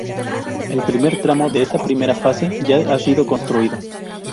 El primer tramo de esta primera fase, ya ha sido construido.